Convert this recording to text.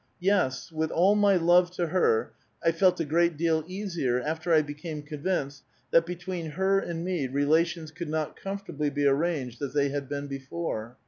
Yes, with all my love to her, 1 felt a great deal easier after I be came convinced that, between her and me, relations could not comfortably be arranged as they had been before.